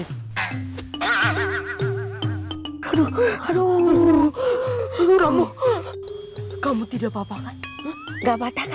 ini sakit loh pake tangannya lagi